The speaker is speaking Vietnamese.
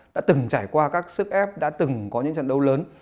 đã từng trải qua các sức ép đã từng có những trận đấu lớn